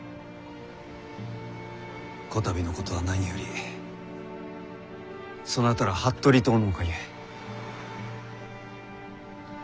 こたびのことは何よりそなたら服部党のおかげ。